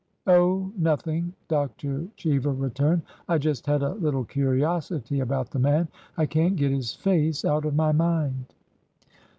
" Oh, nothing," Dr. Cheever returned. I just had a little curiosity about the man. I can't get his face out of my mind."